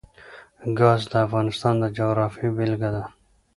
ګاز د افغانستان د جغرافیې بېلګه ده.